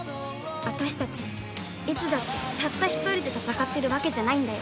私たちいつだってたった１人で戦ってるわけじゃないんだよ。